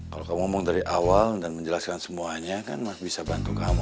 kalau kamu ngomong dari awal dan menjelaskan semuanya kan mas bisa bantu kamu